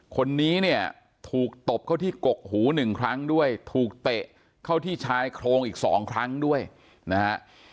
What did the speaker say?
คนนี้เนี่ยถูกตบเข้าที่กกหูหนึ่งครั้งด้วยถูกเตะเข้าที่ชายโครงอีกสองครั้งด้วยนะฮะ